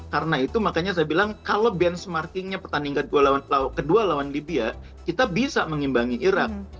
karena itu makanya saya bilang kalau benchmarkingnya pertandingan kedua lawan libya kita bisa mengimbangi iraq